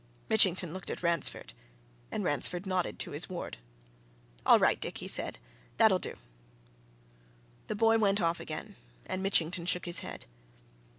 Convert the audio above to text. Mitchington looked at Ransford, and Ransford nodded to his ward. "All right, Dick," he said. "That'll do." The boy went off again, and Mitchington shook his head.